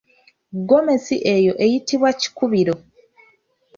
Ggomesi eyo eyitibwa kikubiro.